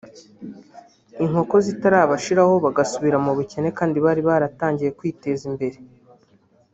inkoko zitarabashiraho bagasubira mu bukene kandi bari baratangiye kwiteza imbere